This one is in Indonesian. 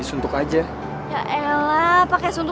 suntuknya apa sih lu